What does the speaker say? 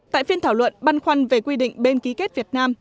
tại phiên thảo luận băn khoăn về quy định bên ký kết việt nam